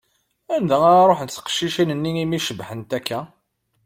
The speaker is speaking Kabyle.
Anda ara ṛuḥent teqcicin-nni i mi cebbḥent akka?